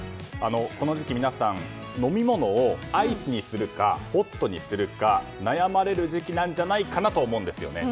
この時期、皆さん飲み物をアイスにするかホットにするか悩まれる時期なんじゃないかなと思うんですよね。